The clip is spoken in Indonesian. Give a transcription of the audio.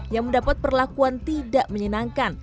yang mendapat perlakuan tidak menyenangkan